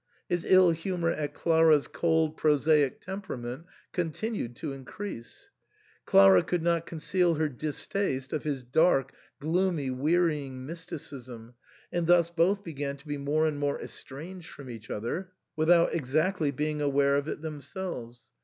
His ill humour at Clara's cold prosaic temperament con tinued to increase ; Clara could not conceal her distaste of his dark, gloomy, wearying mysticism ; and thus both began to be more and more estranged from each other without exactly being aware of it themselves.